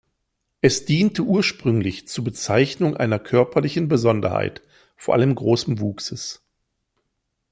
Es diente ursprünglich zur Bezeichnung einer körperlichen Besonderheit, vor allem großen Wuchses.